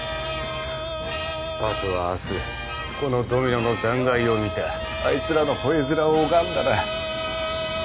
あとは明日このドミノの残骸を見たあいつらのほえ面を拝んだら。